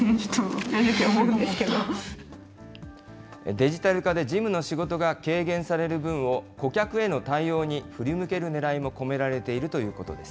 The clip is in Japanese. デジタル化で事務の仕事が軽減される分を、顧客への対応に振り向けるねらいも込められているということです。